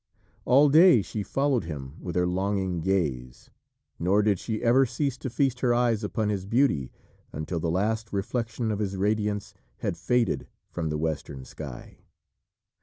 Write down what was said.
All day she followed him with her longing gaze, nor did she ever cease to feast her eyes upon his beauty until the last reflection of his radiance had faded from the western sky.